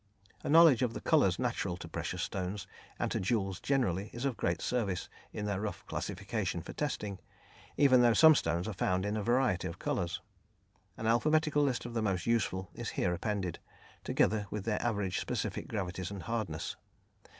A knowledge of the colours natural to precious stones and to jewels generally is of great service in their rough classification for testing, even though some stones are found in a variety of colours. An alphabetical list of the most useful is here appended, together with their average specific gravities and hardness.